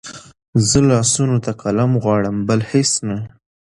زه لاسونو ته قلم غواړم بل هېڅ نه